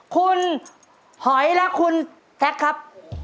คุณหอยและคุณแท็กครับ